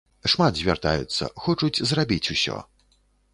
Шмат звяртаюцца, хочуць зрабіць усё.